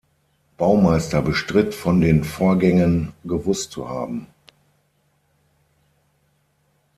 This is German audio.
Baumeister bestritt, von den Vorgängen gewusst zu haben.